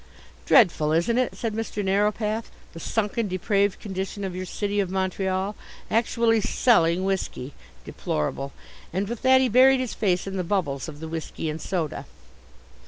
"Dreadful, isn't it?" said Mr. Narrowpath. "The sunken, depraved condition of your City of Montreal; actually selling whisky. Deplorable!" and with that he buried his face in the bubbles of the whisky and soda.